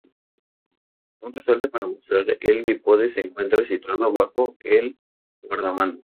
Un resalte para montar el bípode se encuentra situado bajo el guardamano.